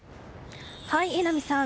榎並さん